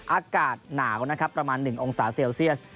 อากาศหนาวนะครับประมาณ๑องศาเซลเซียส